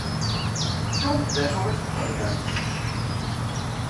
Tettumt d acu i s-txedmemt?